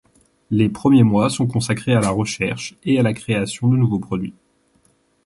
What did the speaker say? Les premiers mois sont consacrées à la recherche et la création de nouveaux produits.